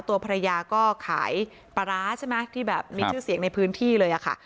ตัวภรรยาก็ขายปลาร้าใช่ไหมที่แบบมีชื่อเสียงในพื้นที่เลยอะค่ะ